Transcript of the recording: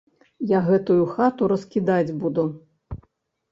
Я гэтую хату раскідаць буду.